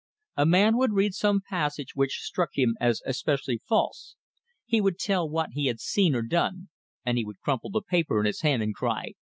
A man would read some passage which struck him as especially false; he would tell what he had seen or done, and he would crumple the paper in his hand and cry.